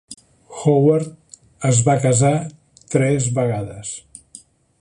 Howard es va casar tres vegades.